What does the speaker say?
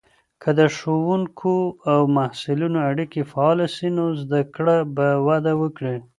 که د ښوونکو او محصلینو اړیکې فعاله سي، نو زده کړه به وده وکړي.